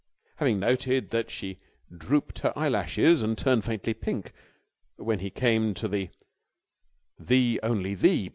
Having noted that she drooped her eyelashes and turned faintly pink when he came to the "Thee only thee!"